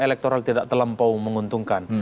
elektoral tidak terlampau menguntungkan